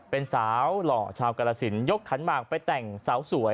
เป็นสาวหล่อชาวกรสินยกขันหมากไปแต่งสาวสวย